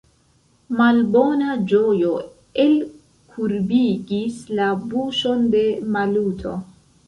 Malbona ĝojo elkurbigis la buŝon de Maluto.